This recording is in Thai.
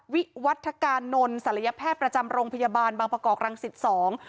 วิวัฒกานนท์ศัลยแพทย์ประจำโรงพยาบาลบางประกอบรังสิตสอง